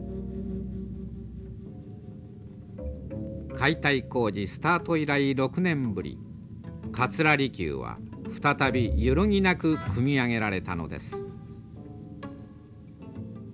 解体工事スタート以来６年ぶり桂離宮は再び揺るぎなく組み上げられたのです。